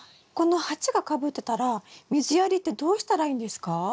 この鉢がかぶってたら水やりってどうしたらいいんですか？